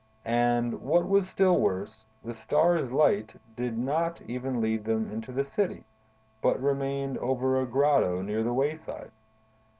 And what was still worse, the Star's light did not even lead them into the city, but remained over a grotto near the wayside.